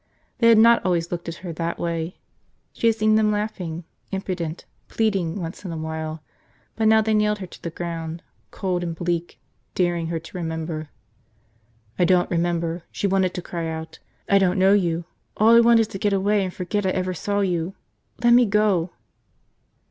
They had not always looked at her that way. She had seen them laughing, impudent, pleading once in a while; but now they nailed her to the ground, cold and bleak, daring her to remember. I don't remember, she wanted to cry out, I don't know you, all I want is to get away and forget I ever saw you. .. let me go.